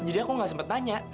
jadi aku nggak sempat tanya